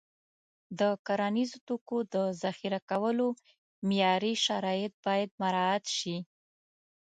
د کرنیزو توکو د ذخیره کولو معیاري شرایط باید مراعت شي.